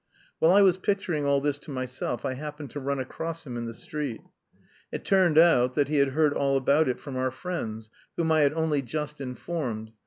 While I was picturing all this to myself I happened to run across him in the street. It turned out that he had heard all about it from our friends, whom I had only just informed.